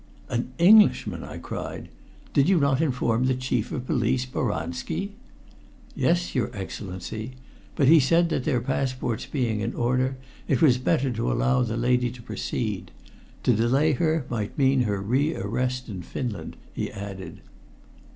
"An Englishman!" I cried. "Did you not inform the Chief of Police, Boranski?" "Yes, your Excellency. But he said that their passports being in order it was better to allow the lady to proceed. To delay her might mean her rearrest in Finland," he added.